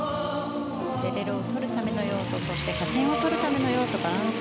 レベルを取るための要素加点を取るための要素バランス